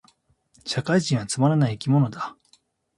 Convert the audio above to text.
社会人はつまらない生き物だ